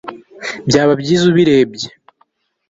Byaba byiza ubirebye